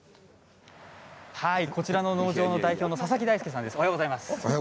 こちらの農場の代表の佐々木大輔さんです。